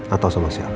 atau sama siapa